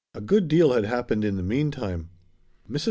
A good deal had happened in the meantime. Mrs.